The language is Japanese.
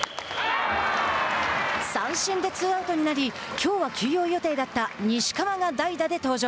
三振でツーアウトになりきょうは休養予定だった西川が代打で登場。